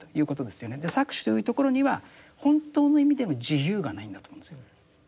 搾取というところには本当の意味での自由がないんだと思うんですよ。